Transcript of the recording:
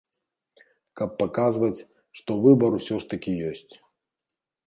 Каб паказваць, што выбар усё ж такі ёсць.